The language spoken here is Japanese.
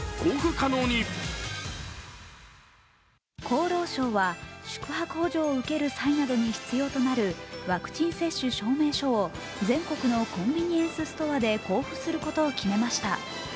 厚労省は宿泊補助を受ける際などに必要となるワクチン接種証明書を全国のコンビニエンスストアで交付することを決めました。